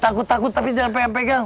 takut takut tapi jangan pengen pegang